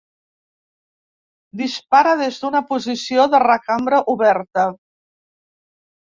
Dispara des d'una posició de recambra oberta.